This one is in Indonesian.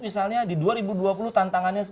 misalnya di dua ribu dua puluh tantangannya